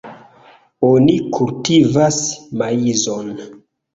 Oni kultivas maizon.